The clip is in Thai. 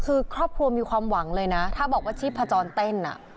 คือครอบครัวมีความหวังเลยนะถ้าบอกว่าชีพจรเต้น